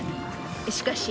［しかし］